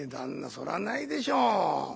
そりゃないでしょう。